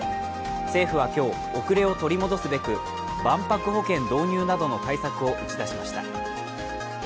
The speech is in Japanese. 政府は今日、後れを取り戻すべく万博保険導入などの対策を打ち出しました。